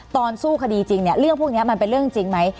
สู้คดีจริงเนี่ยเรื่องพวกนี้มันเป็นเรื่องจริงไหม